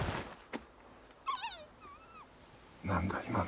何だ今の。